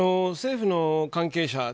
政府の関係者